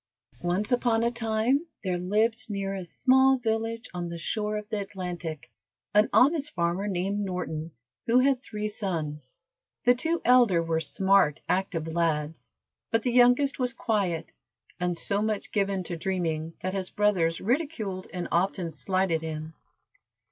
Once upon a time there lived near a small village on the shore of the Atlantic, an honest farmer named Norton, who had three sons. The two elder were smart, active lads, but the youngest was quiet, and so much given to dreaming that his brothers ridiculed and often slighted him.